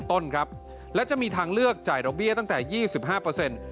ต้นครับและจะมีทางเลือกจ่ายดอกเบี้ยตั้งแต่๒๕เปอร์เซ็นต์